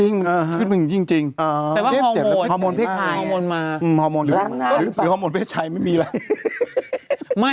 นี่รอสุกแล้วบีบ